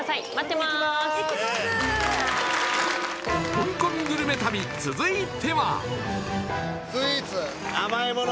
香港グルメ旅続いては甘いもの